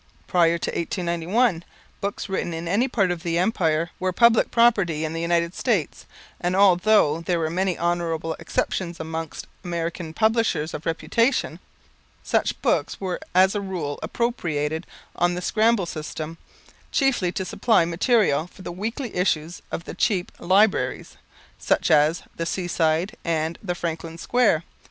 Prior to 1891, books written in any part of the Empire were public property in the United States, and, although there were many honorable exceptions amongst American publishers of reputation, such books were as a rule appropriated on the scramble system, chiefly to supply material for the weekly issues of the cheap "Libraries," such as "The Seaside" and "The Franklin Square."